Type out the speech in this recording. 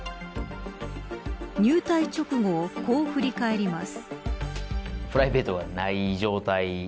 入隊直後をこう振り返ります。